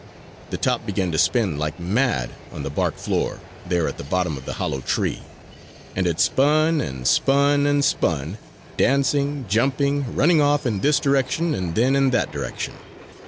The "top" began to spin like mad on the bark floor there at the bottom of the hollow tree; and it spun and spun and spun, dancing, jumping, running off in this direction and then in that direction.